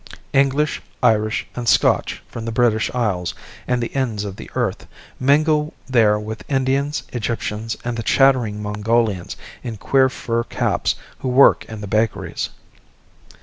English, Irish, and Scotch from the British Isles and the ends of the earth mingle there with Indians, Egyptians, and the chattering Mongolians in queer fur caps who work in the bakeries.